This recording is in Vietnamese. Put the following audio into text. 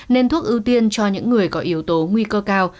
nên thuốc ưu tiên cho những người có yếu tố nguy cơ cao